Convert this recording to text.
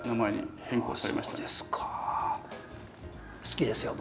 好きですよ